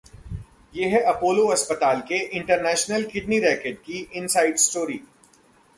ये है अपोलो अस्पताल के इंटरनेशनल किडनी रैकेट की इनसाइड स्टोरी